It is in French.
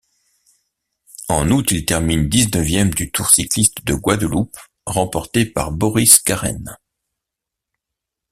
En août, il termine dix-neuvième du Tour cycliste de Guadeloupe remporté par Boris Carène.